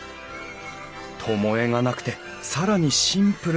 巴がなくて更にシンプルな鎌軒瓦。